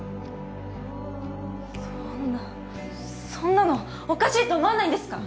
そんなそんなのおかしいと思わないんですか！？